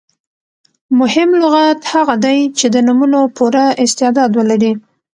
مهم لغت هغه دئ، چي د نومونو پوره استعداد ولري.